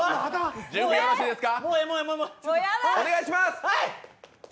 準備よろしいですか？